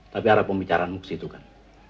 tapi arah pembicaraanmu ke situ kan